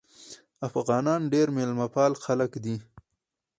افغانان ډېر میلمه پال خلک دي.